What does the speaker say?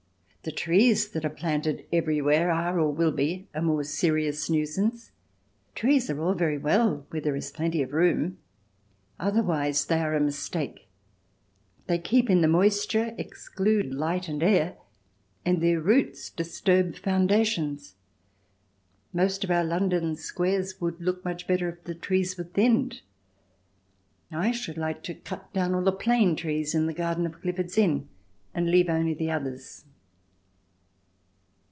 The trees that are planted everywhere are, or will be, a more serious nuisance. Trees are all very well where there is plenty of room, otherwise they are a mistake; they keep in the moisture, exclude light and air, and their roots disturb foundations; most of our London Squares would look much better if the trees were thinned. I should like to cut down all the plane trees in the garden of Clifford's Inn and leave only the others.